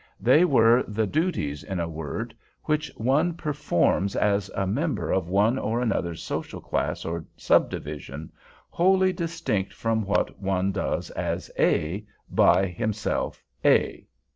They were the duties, in a word, which one performs as member of one or another social class or subdivision, wholly distinct from what one does as A. by himself A.